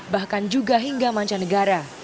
bahkan juga hingga mancanegara